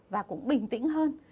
và cũng bình tĩnh hơn